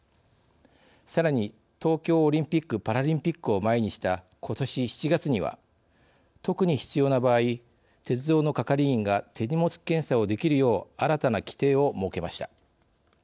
さらに、東京オリンピックパラリンピックを前にしたことし７月には、特に必要な場合鉄道の係員が手荷物検査をできるよう新たな規定を設けました。